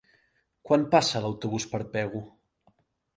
Quan passa l'autobús per Pego?